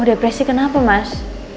oh depresi kenapa mas